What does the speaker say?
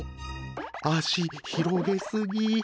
足広げすぎ。